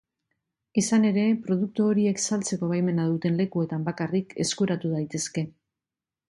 Izan ere, produktu horiek saltzeko baimena duten lekuetan bakarrik eskuratu daitezke.